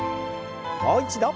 もう一度。